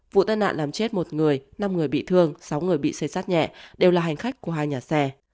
vụ tai nạn làm chết một người năm người bị thương sáu người bị xây sát nhẹ đều là hành khách của hai nhà xe